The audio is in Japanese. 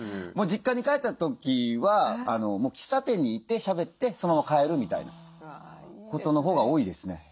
実家に帰った時はもう喫茶店に行ってしゃべってそのまま帰るみたいなことのほうが多いですね。